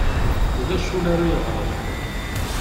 Ulac ul ara yeɣren.